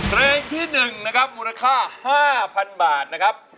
เพลงที่๑นะครับมูลค่า๕๐๐๐บาทนะครับ